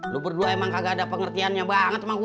lo berdua emang kagak ada pengertiannya banget sama gue